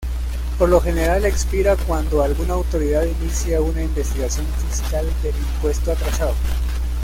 Por lo general expira cuando alguna autoridad inicia una investigación fiscal del impuesto atrasado.